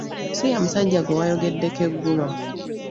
Si ye musajja gwe wayogeddeko eggulo?